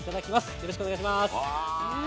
よろしくお願いします。